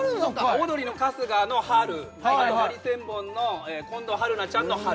オードリーの春日の「春」ハリセンボンの近藤春菜ちゃんの「春」